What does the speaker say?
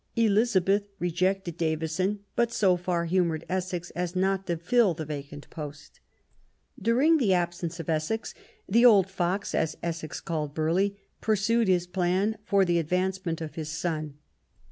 Elizabeth rejected Davison, but so far humoured Essex as not to fill the vacant post. During the absence of Essex, "the. old fox," as Essex called Burghley, pursued his plan for the advancement of his son.